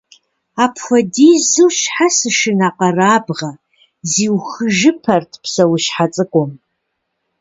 Апхуэдизу щхьэ сышынэкъэрабгъэ? - зиухыжыпэрт псэущхьэ цӀыкӀум.